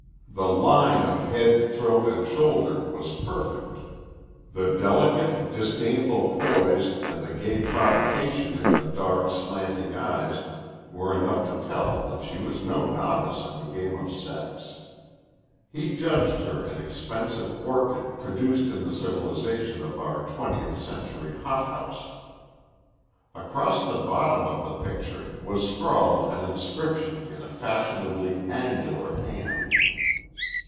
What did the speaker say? The line of head, throat, and shoulder was perfect. The delicate, disdainful poise and the gay provocation in the dark, slanting eyes were enough to tell that she was no novice in the game of sex. He judged her an expensive orchid produced in the civilization of our twentieth century hothouse. Across the bottom of the picture was scrawled an inscription in a fashionably angular hand.